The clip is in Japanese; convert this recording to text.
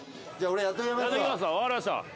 わかりました。